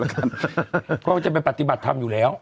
พี่บ้านมันถามว่าก็จะไปปฏิบัติธรรมอยู่แล้ว